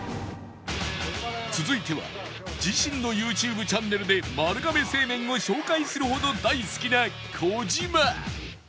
続いては自身の ＹｏｕＴｕｂｅ チャンネルで丸亀製麺を紹介するほど大好きな児嶋